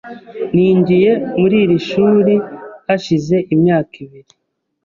Ninjiye muri iri shuri hashize imyaka ibiri .